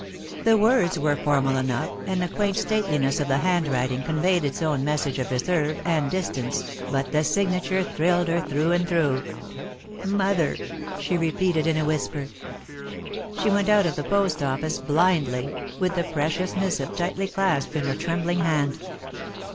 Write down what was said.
The words were formal enough, and the quaint stateliness of the handwriting conveyed its own message of reserve and distance but the signature thrilled her through and through. "Mother!" she repeated, in a whisper. She went out of the post office blindly, with the precious missive tightly clasped in her trembling hand.